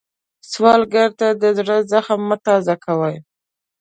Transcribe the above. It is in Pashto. سوالګر ته د زړه زخم مه تازه کوئ